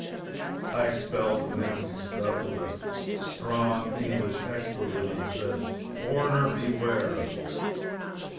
I expelled the nasty stuff with a strong English expletive and said, "Foreigner, beware!"